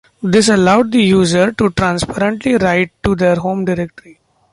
This allowed the user to transparently write to their home directory.